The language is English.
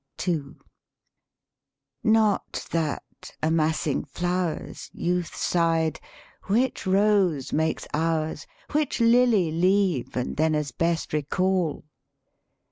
II Not that, amassing flowers, Youth sighed, 'Which rose makes ours, Which lily leave and then as best recall'?